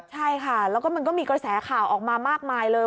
ใช่ค่ะแล้วก็มันก็มีกระแสข่าวออกมามากมายเลย